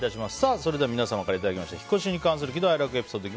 それでは皆さんからいただきました引っ越しに関する喜怒哀楽エピソード。